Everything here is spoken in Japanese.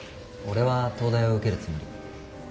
俺は東大を受けるつもり。